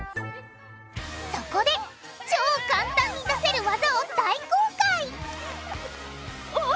そこで超簡単に出せる技を大公開！